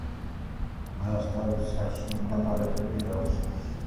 მას თავის წარსულიდან არაფერი ახსოვს.